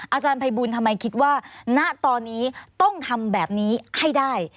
อาจารย์ภัยบูลทำไมคิดว่าณตอนนี้ต้องทำแบบนี้ให้ได้